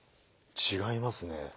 違いますね。